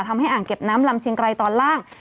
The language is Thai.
อ่างเก็บน้ำลำเชียงไกรตอนล่าง